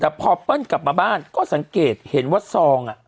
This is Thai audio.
แต่พอเปิ้ลกลับมาบ้านก็สังเกตเห็นว่าซอง